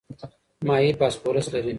ماهي فاسفورس لري.